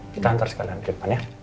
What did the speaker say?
kita hantar sekalian ke depan ya